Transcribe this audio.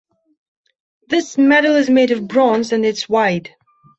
The medal is made of bronze and is wide.